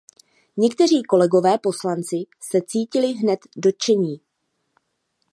Někteří kolegové poslanci se cítili hned dotčení.